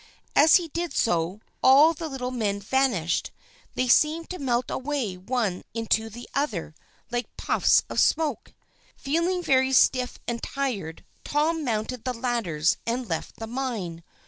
As he did so, all the little men vanished. They seemed to melt away one into the other like puffs of smoke. Feeling very stiff and tired, Tom mounted the ladders, and left the mine.